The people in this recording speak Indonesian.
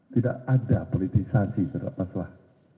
tidak ada politisasi terhadap masalah